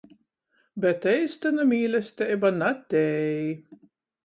Bet eistyna mīlesteiba na tei.